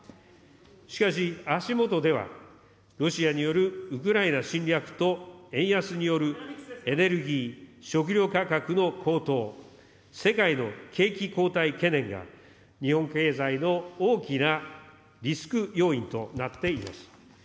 しかし、足下では、ロシアによるウクライナ侵略と円安によるエネルギー・食料価格の高騰、世界の景気後退懸念が、日本経済の大きなリスク要因となっています。